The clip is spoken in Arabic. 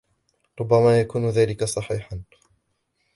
ربما يكون ذلك صحيحا.